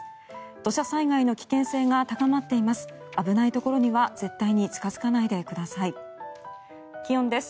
土砂災害の危険性が高まっています。